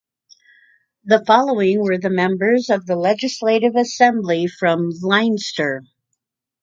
The following were the members of the Legislative Assembly from Leinster.